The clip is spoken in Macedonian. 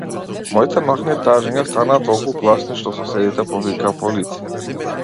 Моите ноќни тажења станаа толку гласни што соседите повикаа полиција.